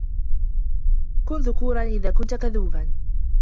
كُنْ ذكورا إذا كُنْت كذوبا.